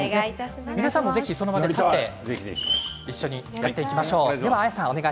皆さんも、ぜひその場で立って一緒にやっていきましょう。